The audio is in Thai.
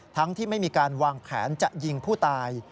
ทั้งที่ไม่มีการวางแผนจะยิงผู้ตาย